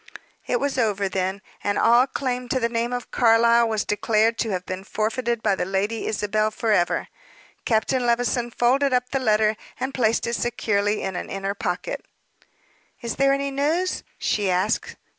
It was over, then, and all claim to the name of Carlyle was declared to have been forfeited by the Lady Isabel forever. Captain Levison folded up the letter, and placed it securely in an inner pocket. "Is there any news?" she asked.